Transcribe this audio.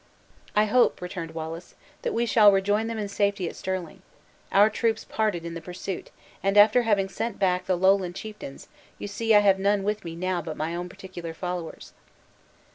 "I hope," returned Wallace, "that we shall rejoin them in safety at Stirling. Our troops parted in the pursuit, and after having sent back the Lowland chieftains, you see I have none with me now but my own particular followers."